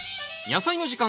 「やさいの時間」